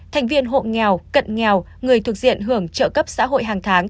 thành viên hộ nghèo cận nghèo người thuộc diện hưởng trợ cấp xã hội hàng tháng